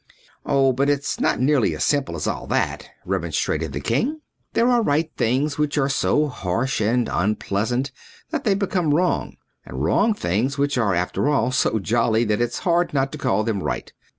"Oh, but it's not nearly as simple as all that," remonstrated the king. "There are right things which are so harsh and unpleasant that they become wrong; and wrong things which are, after all, so jolly that it's hard not to call them right.